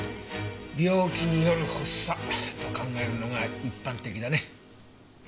病気による発作と考えるのが一般的だね。